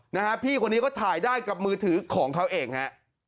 นะฮะพี่คนนี้ก็ถ่ายได้กับมือถือของเขาเองฮะ